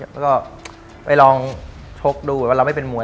แล้วก็ไปลองชกดูว่าเราไม่เป็นมวย